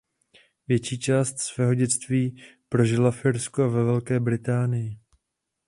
Větší část svého dětství prožila v Irsku a Velké Británii.